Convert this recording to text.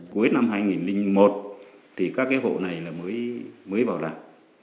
cuối năm hai nghìn một thì các cái hộ này mới vào làm